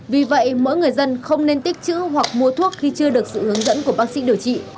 vì vậy mỗi người dân không nên tích chữ hoặc mua thuốc khi chưa được sự hướng dẫn của bác sĩ điều trị